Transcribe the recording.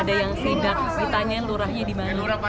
ada yang sidak ditanyain lurahnya dimana